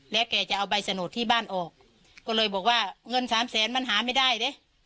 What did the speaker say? แล้วแกจะเอาใบสนดที่บ้านออกก็เลยบอกว่าเงินสามแสนมันหาไม่ได้ดิ